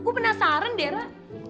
gue penasaran deh ra